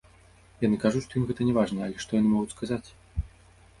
Яны кажуць, што ім гэта не важна, але што яны могуць сказаць?!